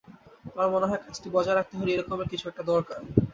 আমার মনে হয়, কাজটি বজায় রাখতে হলে এই রকমের একটা কিছু দরকার।